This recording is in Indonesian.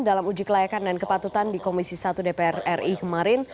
dalam uji kelayakan dan kepatutan di komisi satu dpr ri kemarin